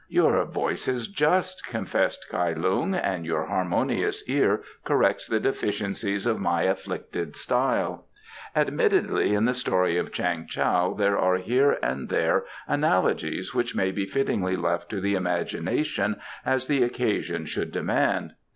"Your voice is just," confessed Kai Lung, "and your harmonious ear corrects the deficiencies of my afflicted style. Admittedly in the story of Chang Tao there are here and there analogies which may be fittingly left to the imagination as the occasion should demand.